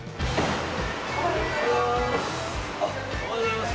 おはようございます！